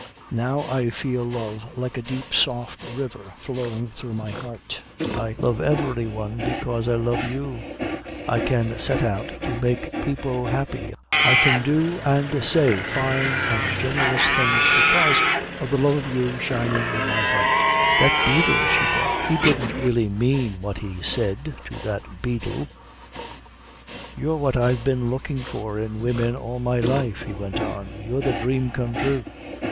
Now I feel love like a deep soft river flowing through my heart. I love every one because I love you. I can set out to make people happy, I can do and say fine and generous things because of the love of you shining in my heart " "That beadle," she thought, "he didn't really mean what he said to that beadle " "You're what I've been looking for in women all my life," he went on. "You're the dream come true.